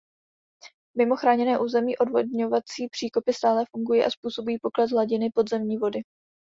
Mimo chráněné území odvodňovací příkopy stále fungují a způsobují pokles hladiny podzemní vody.